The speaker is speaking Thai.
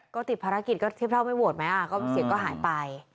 ก็ติดภารกิจก็เทียบเท่าไม่โหวตไหมก็เสียงก็หายไป